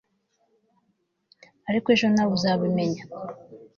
Ariko ejo nawe uzabimenya